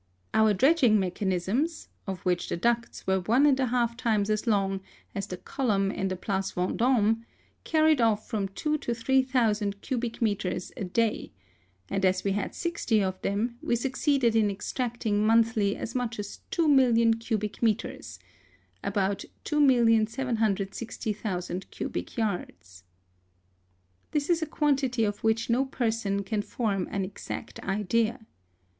Our dredging machines, of which the ducts were one and a half times as long as the column in the Place Vend6me, carried off from two to three thousand cubic metres a day ; and as we had sixty of them, we suc ceeded in extracting monthly as much as two million cubic metres (about 2,763,000 cubic yards).* This is a quantity of which no person can form an exact idea.